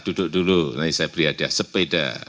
duduk dulu nanti saya beri hadiah sepeda